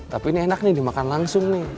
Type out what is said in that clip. tapi ini enak nih dimakan langsung nih